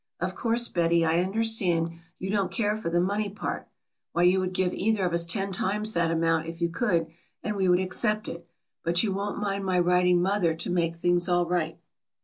Of course, Betty, I understand you don't care for the money part, why you would give either of us ten times that amount if you could and we would accept it, but you won't mind my writing mother to make things all right."